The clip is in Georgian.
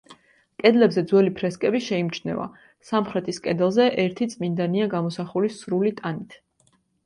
კედლებზე ძველი ფრესკები შეიმჩნევა: სამხრეთის კედელზე ერთი წმინდანია გამოსახული სრული ტანით.